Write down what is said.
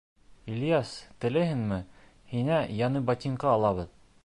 — Ильяс, теләйһеңме һиңә яңы ботинка алабыҙ?